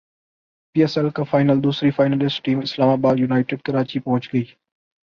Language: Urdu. پی اس ال کا فائنل دوسری فائنلسٹ ٹیم اسلام باد یونائیٹڈ کراچی پہنچ گئی